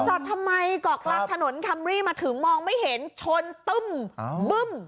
จอดทำไมเกาะกลางถนนคัมรี่มาถึงมองไม่เห็นชนตึ้มบึ้ม